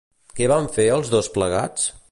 Què van fer els dos plegats?